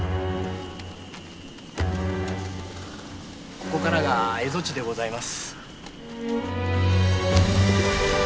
ここからが蝦夷地でございます。